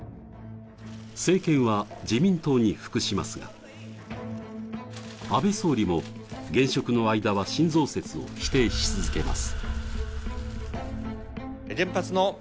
政権は自民党に復しますが、安倍総理も現職の間は新増設を否定し続けます。